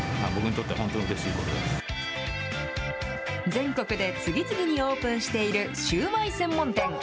全国で次々にオープンしているシューマイ専門店。